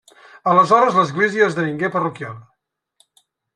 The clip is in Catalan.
Aleshores l'església esdevingué parroquial.